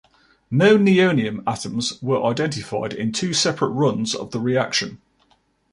No nihonium atoms were identified in two separate runs of the reaction.